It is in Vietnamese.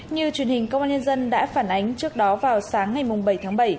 như truyền hình công an nhân dân đã phản ánh trước đó vào sáng ngày bảy tháng bảy